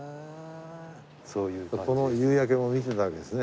この夕焼けも見てたわけですね